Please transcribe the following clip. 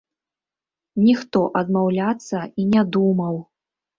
Ніхто адмаўляцца і не думаў.